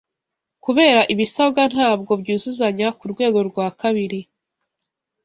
kubera ibisabwa ntabwo byuzuzanya kurwego rwa kabiri